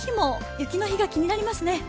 雪の日が気になりますね。